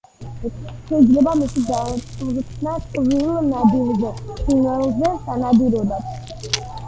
შეიძლება მისი გაწვრთნა წვრილ ნადირზე, ფრინველზე სანადიროდაც.